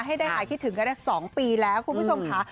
ให้ได้หายคิดถึงกันได้๒ปีแล้วคุณผู้ชมค่ะ